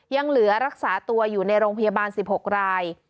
ยังเหลือรักษาตัวอยู่ในโรงพยาบาล๑๖ราย